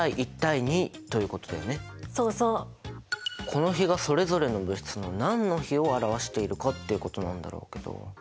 この比がそれぞれの物質の何の比を表しているかっていうことなんだろうけど。